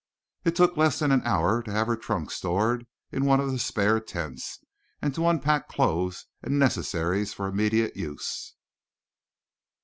It took less than an hour to have her trunks stored in one of the spare tents, and to unpack clothes and necessaries for immediate use.